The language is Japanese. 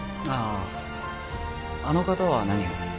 あああの方は何を？